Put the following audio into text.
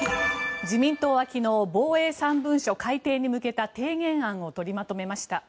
自民党は昨日防衛３文書改定に向けた提言案を取りまとめました。